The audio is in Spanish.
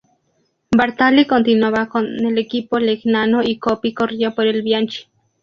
Bartali continuaba en el equipo Legnano y Coppi corría por el Bianchi.